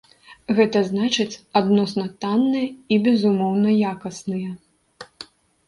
Гэта значыць адносна танныя і безумоўна якасныя.